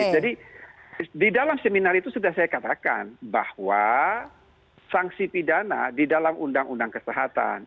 di dalam seminar itu sudah saya katakan bahwa sanksi pidana di dalam undang undang kesehatan